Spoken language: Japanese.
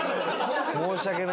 申し訳ない。